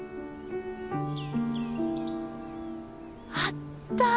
あったー！